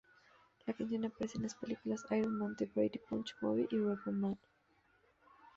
La canción aparece en las películas: "Iron Man", "The Brady Bunch Movie", "Repo Man".